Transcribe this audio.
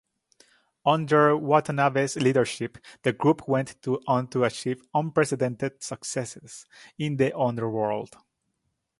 Under Watanabe's leadership, the group went on to achieve unprecedented successes in the underworld.